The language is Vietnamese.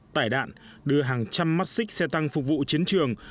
tải đạn đưa hàng trăm mắt xích xe tăng phục vụ chiến trường